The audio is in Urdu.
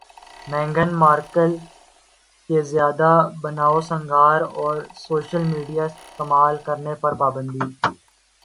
میگھن مارکل کے زیادہ بنائو سنگھار اور سوشل میڈیا استعمال کرنے پر پابندی